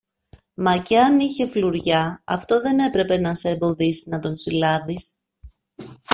Μα και αν είχε φλουριά, αυτό δεν έπρεπε να σ' εμποδίσει να τον συλλάβεις.